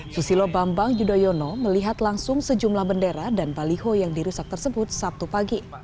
susilo bambang yudhoyono melihat langsung sejumlah bendera dan baliho yang dirusak tersebut sabtu pagi